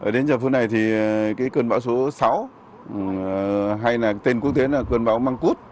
đến giờ phương này thì cơn bão số sáu hay là tên quốc tế là cơn bão mang cốt